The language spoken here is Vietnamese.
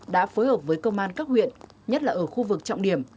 đã phối hợp với công an các huyện nhất là ở khu vực trọng điểm